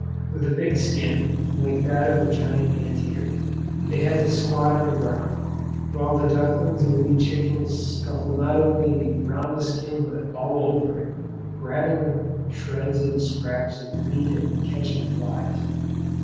With a big skin, like that of the giant ant eater, they had to squat on the ground; while the ducklings and wee chickens scuffled not only round the skin but all over it, grabbing the shreds and scraps of meat and catching flies.